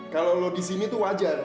kalau lo di sini itu wajar